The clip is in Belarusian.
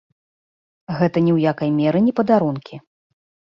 Гэта ні ў якай меры не падарункі.